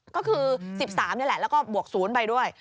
ก็คือ๑๓นี่แหละแล้วก็บวก๐ไปด้วย